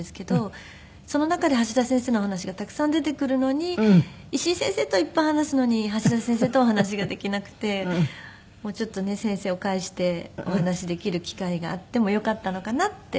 その中で橋田先生のお話がたくさん出てくるのに石井先生とはいっぱい話すのに橋田先生とお話ができなくてもうちょっとね先生を介してお話できる機会があってもよかったのかなとは思いました。